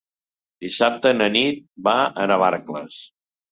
Dissabte na Nit va a Navarcles.